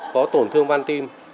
có tổn thương văn tim